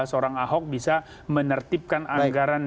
seorang ahok bisa menertibkan anggaran